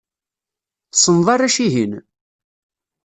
Tessneḍ arrac-ihin?